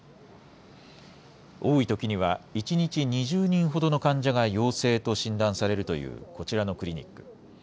多いときには１日２０人ほどの患者が陽性と診断されるというこちらのクリニック。